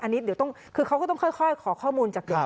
อันนี้เดี๋ยวต้องคือเขาก็ต้องค่อยขอข้อมูลจากเด็ก